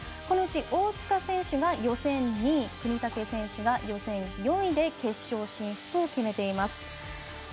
このうち大塚選手が予選２位、國武選手が予選４位で決勝進出を決めています。